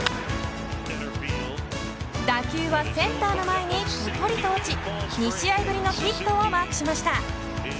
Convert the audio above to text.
打球はセンターの前にぽとりと落ち２試合ぶりのヒットをマークしました。